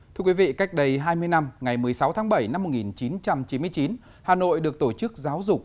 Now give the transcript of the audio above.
thưa quý vị cách đây hai mươi năm ngày một mươi sáu tháng bảy năm một nghìn chín trăm chín mươi chín hà nội được tổ chức giáo dục